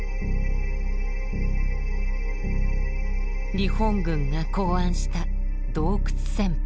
日本軍が考案した洞窟戦法。